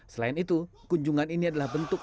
selain itu kunjungan ini adalah bentuk